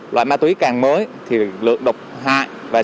loại ma túy càng mới thì lượt độc hại và sự tàn phá cơ thể